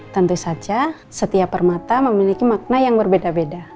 tentu saja setiap permata memiliki makna yang berbeda beda